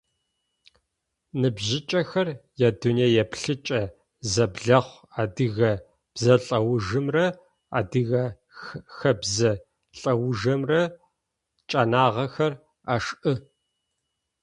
Ныбжьыкӏэхэм ядунэееплъыкӏэ зэблэхъу, адыгэ бзэлӏэужымрэ адыгэ хэбзэ лӏэужырэмрэ чӏэнагъэхэр ашӏы.